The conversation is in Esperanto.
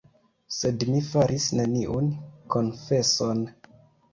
Sed mi faris neniun konfeson.